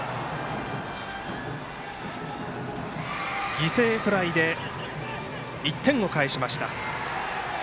犠牲フライで、１点を返しました。